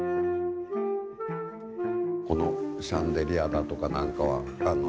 このシャンデリアだとかなんかは。